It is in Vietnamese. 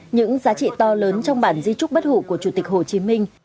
những giá trị to lớn trong bản di trúc bất hụ của chủ tịch hồ chí minh